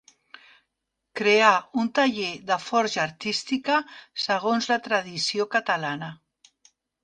Creà un taller de forja artística segons la tradició catalana.